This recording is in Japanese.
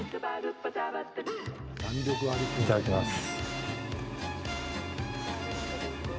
いただきます。